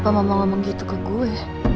kalau mama mau ngomong gitu ke gue